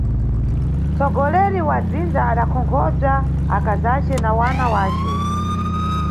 Mtsogoleri wa dzinza adakonkhobza akazace na wana wace.